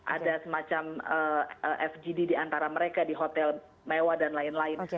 ada semacam fgd di antara mereka di hotel mewah dan lain lain